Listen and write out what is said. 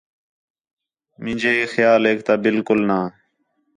مینجے کھیالیک تا بالکل نہ